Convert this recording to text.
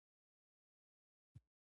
ډرامه د هنر ژبه ده